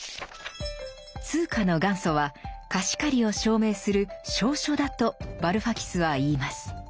通貨の元祖は貸し借りを証明する「証書」だとバルファキスは言います。